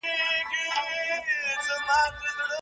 زنا لویه ګناه ده او سزا لري.